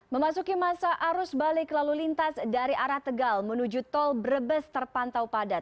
memasuki masa arus balik lalu lintas dari arah tegal menuju tol brebes terpantau padat